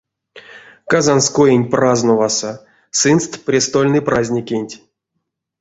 Казанскоенть праздноваса — сынст престольной праздникенть.